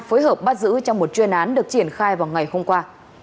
phối hợp bắt giữ trong một chuyên án được triển khai vào ngày hôm qua